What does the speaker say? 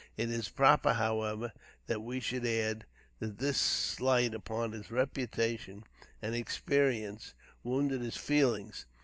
It is proper, however, that we should add, that this slight upon his reputation and experience wounded his feelings.